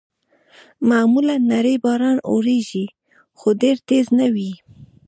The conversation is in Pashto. معمولاً نری باران اورېږي، خو ډېر تېز نه وي.